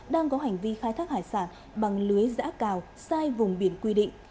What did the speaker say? đang có hành vi khai thác hải sản bằng lưới giã cào sai vùng biển quy định